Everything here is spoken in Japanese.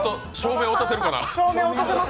照明落とせるかな。